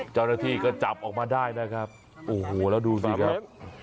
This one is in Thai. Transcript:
เจ้าหน้าที่ก็จับออกมาได้นะครับโอ้โหแล้วดูสิครับ